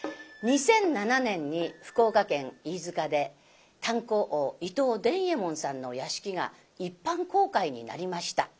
２００７年に福岡県飯塚で炭鉱王伊藤伝右衛門さんの屋敷が一般公開になりました。